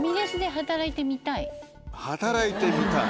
働いてみたい？